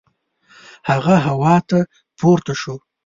هغه هوا ته پورته شو.